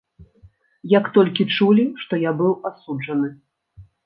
Як толькі чулі, што я быў асуджаны.